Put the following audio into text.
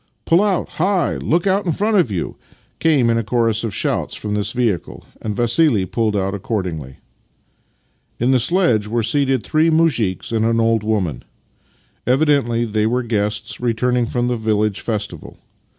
Pull out! Hi! Look out in front of you! " came in a chorus of shouts from this vehicle, and Vassili pulled out accordingly. In the sledge were seated three muzhiks and an old woman. Evidently they were guests returning from the village festival.